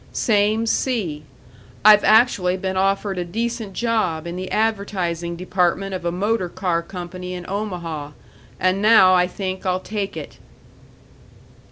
Same C I've actually been offered a decent job in the advertising department of a motor car company in Omaha, and now I think I'll take it."